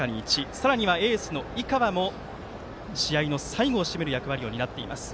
さらには、エースの井川も試合の最後を締める役割を担っています。